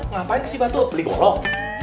ngapain ke cibatu beli golong